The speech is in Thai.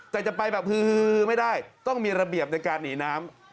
แต่จะไปแบบฮือไม่ได้ต้องมีระเบียบในการหนีน้ำ